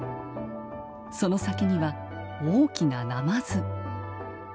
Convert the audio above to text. その先には大きなナマズ。